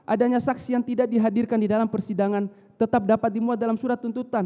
adanya saksi yang tidak dihadirkan di dalam persidangan tetap dapat dimuat dalam surat tuntutan